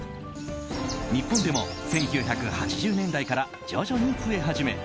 日本でも１９８０年代から徐々に増え始め